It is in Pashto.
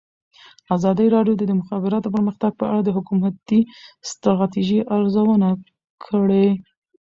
ازادي راډیو د د مخابراتو پرمختګ په اړه د حکومتي ستراتیژۍ ارزونه کړې.